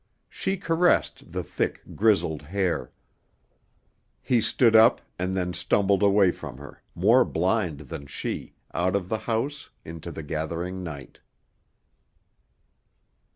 She caressed the thick, grizzled hair. He stood up and then stumbled away from her, more blind than she, out of the house into the gathering night.